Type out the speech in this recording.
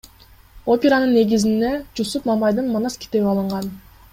Операнын негизине Жусуп Мамайдын Манас китеби алынган.